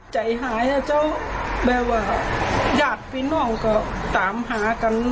ใจหายแล้วเจ้าแบบว่าหญาติไปนอกก็ตามหากัน